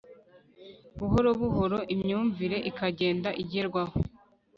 buhoro buhoro imyumvire ikagenda igerwaho